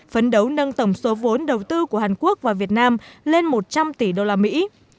phấn đấu nâng tổng số vốn đầu tư của hàn quốc vào việt nam lên một trăm linh tỷ đô la mỹ